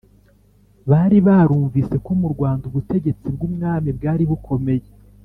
bari barumvise ko mu Rwanda ubutegetsi bw'umwami bwari bukomeye,